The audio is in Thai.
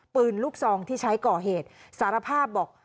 ปืนลูกซองที่ใช้ก่อเหตุสารภาพบอก